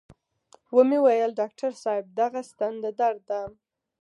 و مې ويل ډاکتر صاحب دغه ستن د درد ده.